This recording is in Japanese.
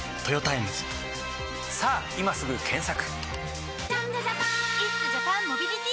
さぁ今すぐ検索！